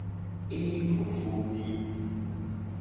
Ee fofovi.